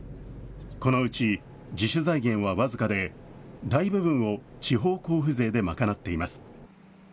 このうち自主財源は僅かで、大部分を地方交付税で賄っています。